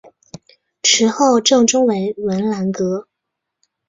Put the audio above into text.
池后正中为文澜阁。